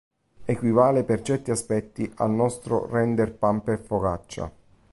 Equivale per certi aspetti al nostro "rendere pan per focaccia".